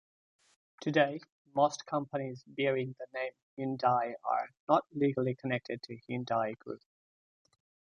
Today, most companies bearing the name Hyundai are not legally connected to Hyundai Group.